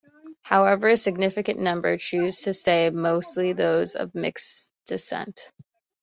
However, a significant number chose to stay, mostly those of mixed descent.